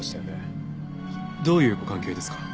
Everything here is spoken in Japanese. どういうご関係ですか？